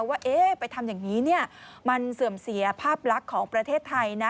ว่าไปทำอย่างนี้มันเสื่อมเสียภาพลักษณ์ของประเทศไทยนะ